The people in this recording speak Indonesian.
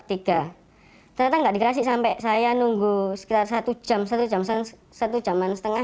ternyata tidak dikasih sampai saya nunggu sekitar satu jam satu jam satu jaman setengah